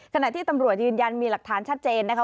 ขณะที่ตำรวจยืนยันมีหลักฐานชัดเจนนะคะ